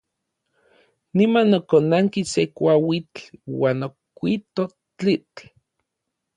Niman okonanki se kuauitl uan okuito tlitl.